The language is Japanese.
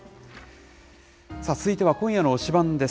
さあ、続いては今夜の推しバン！です。